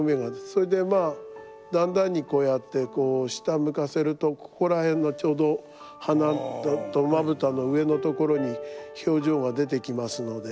それでまあだんだんにこうやっててこう下向かせるとここら辺のちょうど鼻とまぶたの上のところに表情が出てきますので。